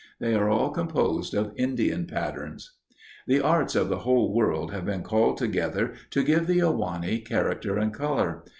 They are all composed of Indian patterns. The arts of the whole world have been called together to give the Ahwahnee character and color.